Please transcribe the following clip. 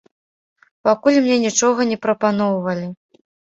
Пакуль мне нічога не прапаноўвалі.